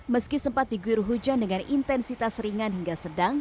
meski sempat diguyur hujan dengan intensitas ringan hingga sedang